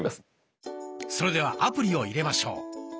それではアプリを入れましょう。